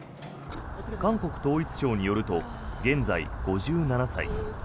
韓国統一省によると現在、５７歳。